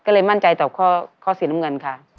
ก็เลยมั่นใจต่อข้อสีน้ำเงินค่ะ